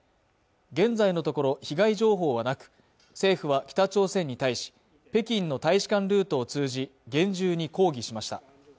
現在のところ被害情報はなく政府は北朝鮮に対し北京の大使館ルートを通じ厳重に抗議しました